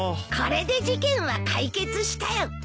これで事件は解決したよ。